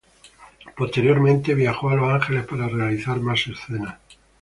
Posteriormente, viajó a Los Ángeles para realizar más escenas.